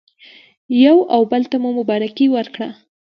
یو او بل ته مو مبارکي ورکړه.